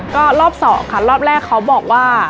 ก็รอบสองค่ะรอบแรกเขาบอกว่า